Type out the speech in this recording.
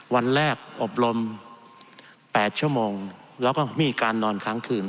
วันแรกอบรม๘ชั่วโมงแล้วก็มีการนอนค้างคืน